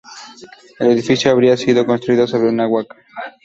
El edificio habría sido construido sobre una huaca.